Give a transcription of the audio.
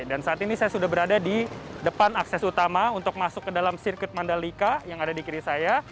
dan saat ini saya sudah berada di depan akses utama untuk masuk ke dalam sirkuit mandalika yang ada di kiri saya